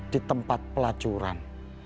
di tempat pelacuran